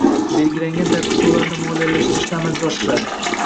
belgilangan tartibda ularni moliyalashtirishni amalga oshiradi;